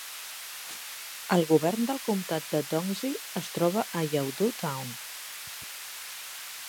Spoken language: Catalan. El govern del comtat de Dongzhi es troba a Yaodu Town.